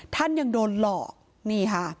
ท่านยังโดนหลอกนี่ค่ะ